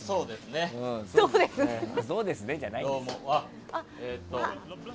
そうですねじゃないよ。